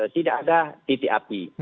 tidak ada titik api